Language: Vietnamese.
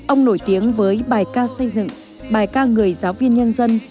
ông nổi tiếng với bài ca xây dựng bài ca người giáo viên nhân dân